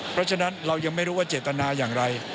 เพราะฉะนั้นเรายังไม่รู้ว่าเจตนาอย่างไร